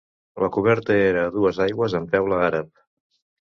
La coberta era a dues aigües amb teula àrab.